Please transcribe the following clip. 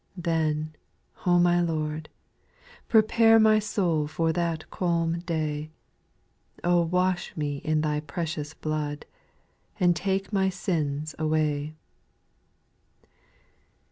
Then, O my Lord, prepare My soul for that calm day ; O wash me in Thy precious blood, And take my sins away.